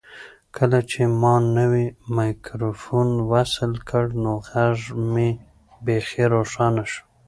کله چې ما نوی مایکروفون وصل کړ نو غږ مې بیخي روښانه شو.